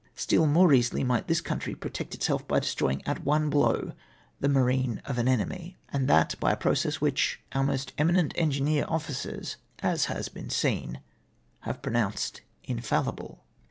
Still more easily might this coiuitry protect itself by destroying at one blow the marine of an enemy, and that by a process which BOTH ABROAD AND AT HOME. 239 our most eminent engineer officers — as lias been seen — have pronounced infallible.